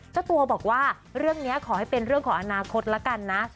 เจ้าตัวบอกว่าเรื่องนี้ขอให้เป็นเรื่องของอนาคตแล้วกันนะ